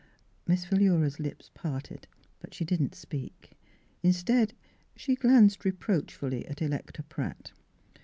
Miss Philura's lips parted, but she did not speak. Instead she glanced reproach fully at Electa Pratt.